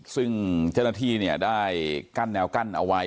ซึ่งเจ้าหน้าที่ได้กั้นแนวกั้นเอาไว้